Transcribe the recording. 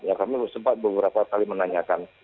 ya kami sempat beberapa kali menanyakan